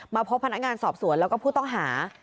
พบพนักงานสอบสวนแล้วก็ผู้ต้องหา